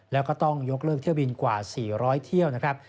แล้วก็ต้องยกเลิกเที่ยวบินกว่า๔๐๐เที่ยวนะครับ